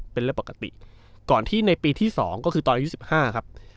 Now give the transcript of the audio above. เป็นเรื่องปกติก่อนที่ในปีที่๒ก็คือตอนอายุ๑๕ครับ